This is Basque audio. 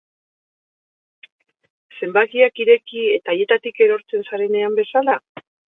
Zenbakiak ireki, eta haietatik erortzen zarenean bezala?